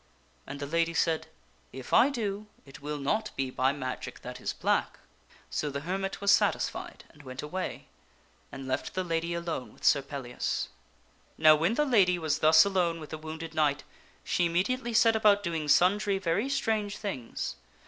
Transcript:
And the lady said, "If I do, it will not be by magic that is black." So the hermit was satisfied and went away, and left the lady alone with Sir Pellias. Now when the lady was thus alone with the wounded knight she imme diately set about doing sundry very strange things.